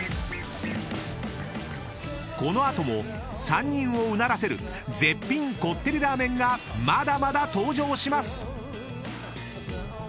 ［この後も３人をうならせる絶品こってりラーメンがまだまだ登場します！］